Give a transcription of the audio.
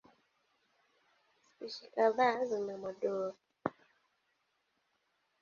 Spishi kadhaa zina madoa.